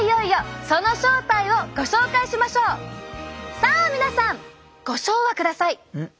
さあ皆さんご唱和ください！